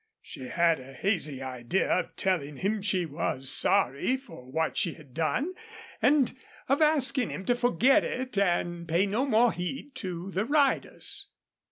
She had a hazy idea of telling him she was sorry for what she had done, and of asking him to forget it and pay no more heed to the riders.